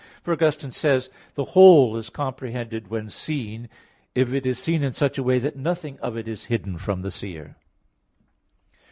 For Augustine says (De Vid. Deum. ep. cxii), "The whole is comprehended when seen, if it is seen in such a way that nothing of it is hidden from the seer."